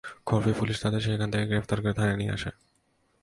খবর পেয়ে পুলিশ তাঁদের সেখান থেকে গ্রেপ্তার করে থানায় নিয়ে আসে।